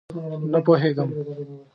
_نه پوهېږم.